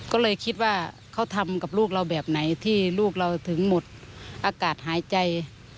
ก็เลยคิดว่าเขาทำกับลูกเราแบบไหนที่ลูกเราถึงหมดอากาศหายใจ